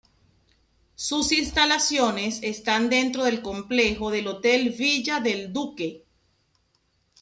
Sus instalaciones están dentro del complejo del hotel Villa del Duque.